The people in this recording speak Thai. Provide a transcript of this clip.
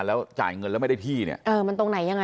แล้วจ่ายเงินแล้วไม่ได้ที่เนี่ย